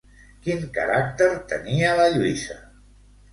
Quin caràcter tenia la Lluïsa?